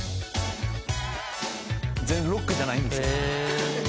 「ロックじゃないんですよ」